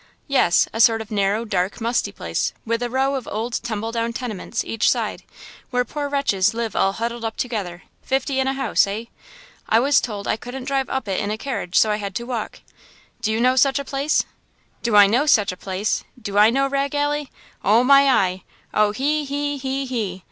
"Yes; a sort of narrow, dark, musty place, with a row of old, tumble down tenements each side, where poor wretches live all huddled up together, fifty in a house, eh? I was told I couldn't drive up it in a carriage, so I had to walk. Do you know such a place?" "Do I know such a place! Do I know Rag Alley? Oh, my eye! Oh, he! he! he! he!"